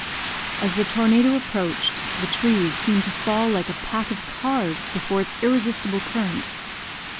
"As the tornado approached, the trees seemed to fall like a pack of cards before its irresistible current.